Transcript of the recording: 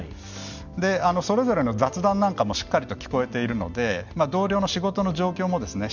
それぞれの雑談なんかもしっかりと聞こえているので同僚の仕事の状況もですね